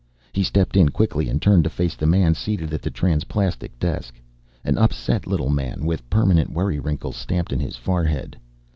He stepped in quickly and turned to face the man seated at the transplastic desk, an upset little man with permanent worry wrinkles stamped in his forehead.